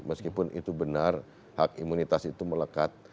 meskipun itu benar hak imunitas itu melekat